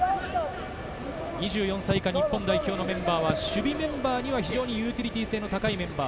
２４歳以下の日本代表のメンバーは、守備メンバーには非常にユーティリティー性の高いメンバー。